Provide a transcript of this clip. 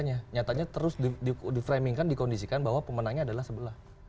nyatanya tidak diperbaiki nyatanya terus diframingkan dikondisikan bahwa pemenangnya adalah sebelah